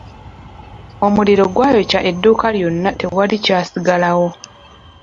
Omuliro gwayokya edduuka lyonna tewali kyasigalawo.